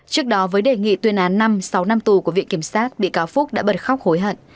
trước đó với đề nghị tuyên án năm sáu năm tù của viện kiểm sát bị cáo phúc đã bật khóc hối hận